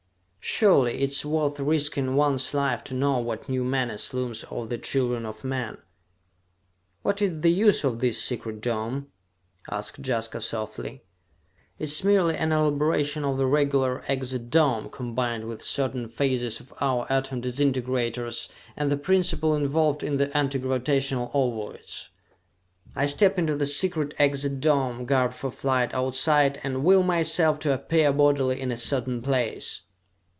"Surely it is worth risking one's life to know what new menace looms over the children of men!" "What is the use of this secret dome?" asked Jaska softly. "It is merely an elaboration of the regular exit dome, combined with certain phases of our atom distintegrators, and the principle involved in the anti gravitational ovoids. I step into the secret exit dome, garbed for flight Outside, and will myself to appear bodily in a certain place.